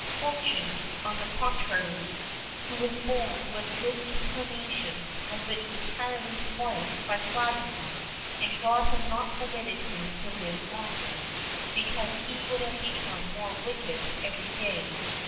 Fortuné, on the contrary, who was born with good inclinations, has been entirely spoilt by flattery, and God has not permitted him to live longer, because he would have become more wicked every day.